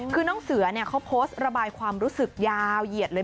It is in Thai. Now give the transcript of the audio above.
คือน้องเสือเขาโพสต์ระบายความรู้สึกยาวเหยียดเลย